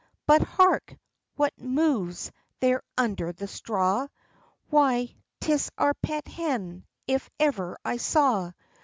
"But hark! what moves there under that straw? Why, 'tis our pet hen, if ever I saw!